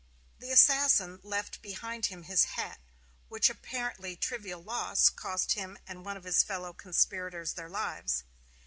The assassin left behind him his hat, which apparently trivial loss cost him and one of his fellow conspirators their lives.